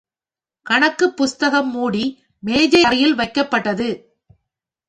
கணக்குப் புஸ்தகம் மூடி மேஜை அறையில் வைக்கப்பட்டது.